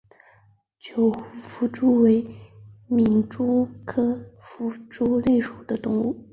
九湖弗蛛为皿蛛科弗蛛属的动物。